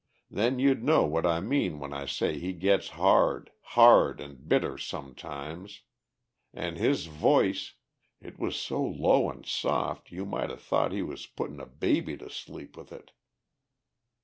Then you'd know what I mean when I say he gets hard, hard an' bitter sometimes. An' his voice it was so low an' soft you might 'a' thought he was putting a baby to sleep with it!